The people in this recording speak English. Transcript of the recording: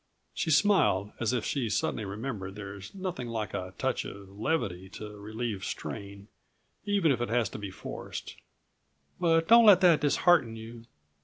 She smiled, as if she'd suddenly remembered there's nothing like a touch of levity to relieve strain, even if it has to be forced. "But don't let that dishearten you.